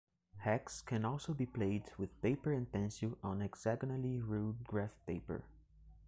Hex can also be played with paper and pencil on hexagonally ruled graph paper.